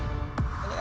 お願い。